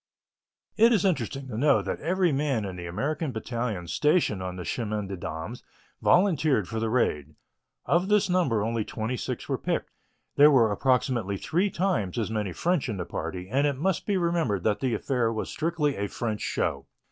It is interesting to know that every man in the American battalion stationed on the Chemin des Dames volunteered for the raid. Of this number only twenty six were picked. There were approximately three times as many French in the party, and it must be remembered that the affair was strictly a French "show."